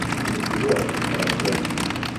Ничего, прошло.